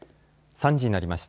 ３時になりました。